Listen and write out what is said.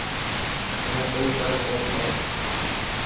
منا ڪوئي فرڪ ڪون پيي.